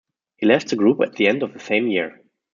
He left the group at the end of the same year.